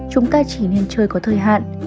chúng ta chỉ nên chơi có thời hạn